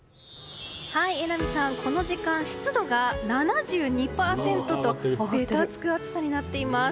榎並さん、この時間湿度が７２％とべたつく暑さになっています。